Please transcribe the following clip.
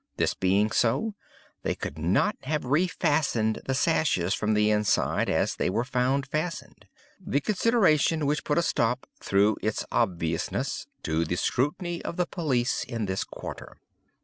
This being so, they could not have refastened the sashes from the inside, as they were found fastened;—the consideration which put a stop, through its obviousness, to the scrutiny of the police in this quarter.